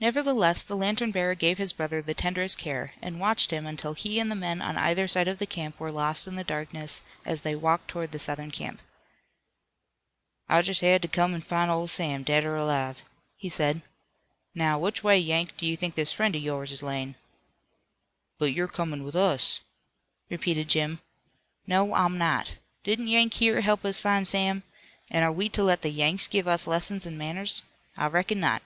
Nevertheless, the lantern bearer gave his brother the tenderest care, and watched him until he and the men on either side of him were lost in the darkness as they walked toward the Southern camp. "I jest had to come an' find old Sam, dead or alive," he said. "Now, which way, Yank, do you think this friend of yours is layin'?" "But you're comin' with us," repeated Jim. "No, I'm not. Didn't Yank here help us find Sam? An' are we to let the Yanks give us lessons in manners? I reckon not.